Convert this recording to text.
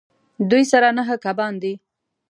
دوی سره نهه کبان دي